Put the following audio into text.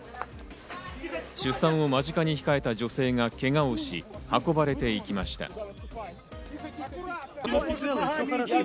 出産を間近に控えた女性がけがをし、運ばれていきました。